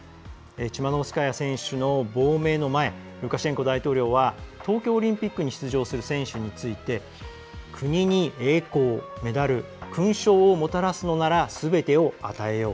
チマノウスカヤ選手の亡命前ルカシェンコ大統領は東京オリンピックに出場する選手について国に栄光・メダル・勲章をもたらすのならすべてを与えよう。